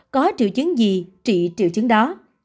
có triệu chứng gì trị triệu chứng đó